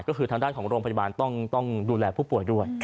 ก็คือทางด้านของโรงพยาบาลต้องดูแลผู้ป่วยด้วย